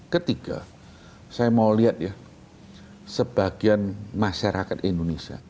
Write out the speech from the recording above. ketiga saya mau lihat ya sebagian masyarakat indonesia